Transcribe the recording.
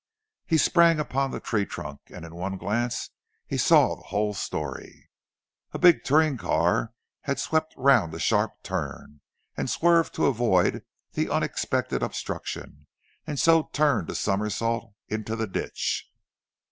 He sprang upon the tree trunk, and in one glance he saw the whole story. A big touring car had swept round the sharp turn, and swerved to avoid the unexpected obstruction, and so turned a somersault into the ditch.